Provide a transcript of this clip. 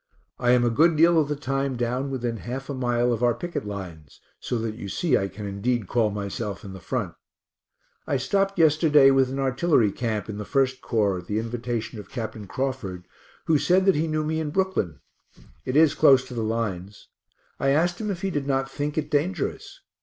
I am a good deal of the time down within half a mile of our picket lines, so that you see I can indeed call myself in the front. I stopped yesterday with an artillery camp in the 1st Corps at the invitation of Capt. Crawford, who said that he knew me in Brooklyn. It is close to the lines I asked him if he did not think it dangerous.